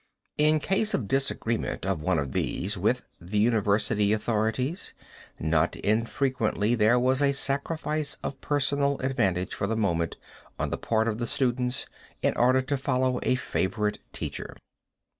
In case of disagreement of one of these with the university authorities, not infrequently there was a sacrifice of personal advantage for the moment on the part of the students in order to follow a favorite teacher.